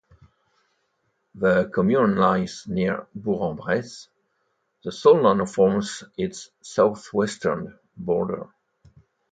The commune lies near Bourg-en-Bresse; the Solnan forms its southwestern border.